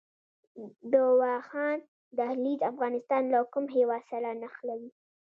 د واخان دهلیز افغانستان له کوم هیواد سره نښلوي؟